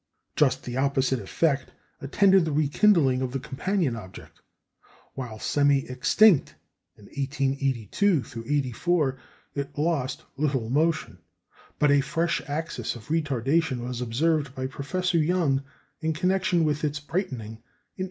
Just the opposite effect attended the rekindling of the companion object. While semi extinct, in 1882 84, it lost little motion; but a fresh access of retardation was observed by Professor Young in connection with its brightening in 1886.